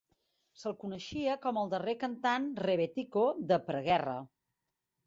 Se'l coneixia com el darrer cantant "rebetiko" de preguerra.